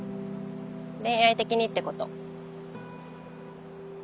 恋愛的にってこと。